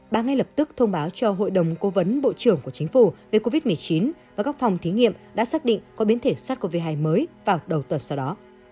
bà ngay lập tức thông báo cho hội đồng cố vấn bộ trưởng của chính phủ về covid một mươi chín và các phòng thí nghiệm đã xác định có biến thể sars cov hai mới vào đầu tuần sau đó